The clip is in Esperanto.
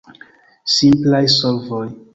Simplaj solvoj!